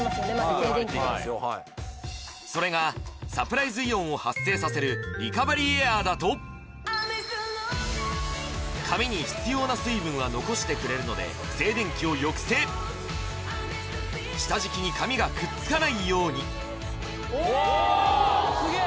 静電気でそれがサプライズイオンを発生させるリカバリーエアーだと髪に必要な水分は残してくれるので静電気を抑制下敷きに髪がくっつかないようにうわすげえ！